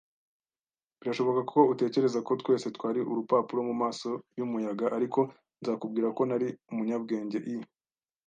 Birashoboka ko utekereza ko twese twari urupapuro mumaso yumuyaga. Ariko nzakubwira ko nari umunyabwenge; I.